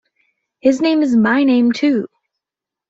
His name is my name, too!